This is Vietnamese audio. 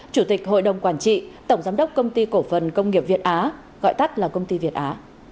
chủ tịch hội đồng quản trị tổng giám đốc công ty cổ phần công nghiệp việt á gọi tắt là công ty việt á